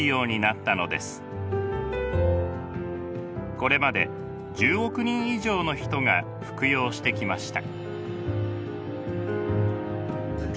これまで１０億人以上の人が服用してきました。